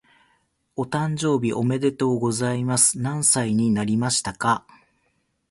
お誕生日おめでとうございます。何歳になりましたか？